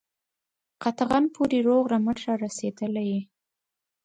قطغن پوري روغ رمټ را رسېدلی یې.